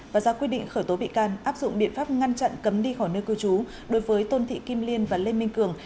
và ra quyết định khởi tố bị can áp dụng biện pháp ngăn chặn cấm đi khỏi nơi cư trú đối với tôn thị kim liên và lê minh cường